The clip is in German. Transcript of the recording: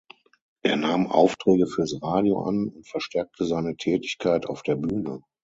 Er nahm Aufträge fürs Radio an und verstärkte seine Tätigkeit auf der Bühne.